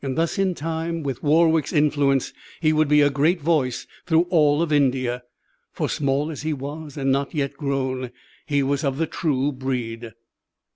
Thus in time, with Warwick's influence, his would be a great voice through all of India. For small as he was, and not yet grown, he was of the true breed.